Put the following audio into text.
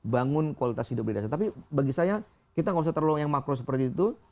bangun kualitas hidup di desa tapi bagi saya kita nggak usah terlalu yang makro seperti itu